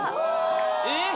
えっ！